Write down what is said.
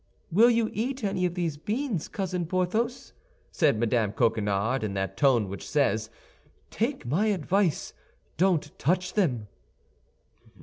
"Will you eat any of these beans, Cousin Porthos?" said Mme. Coquenard, in that tone which says, "Take my advice, don't touch them."